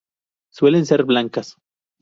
Suelen ser blancas.